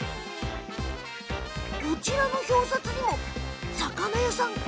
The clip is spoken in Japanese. こちらの表札にもさかなやさん？